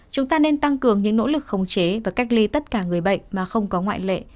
chúng ta nên tăng cường những nỗ lực khống chế và cách ly tất cả người bệnh mà không có ngoại lệ